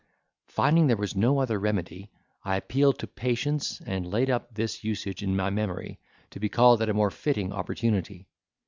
Finding there was no other remedy, I appealed to patience, and laid up this usage in my memory, to be called at a more fitting opportunity.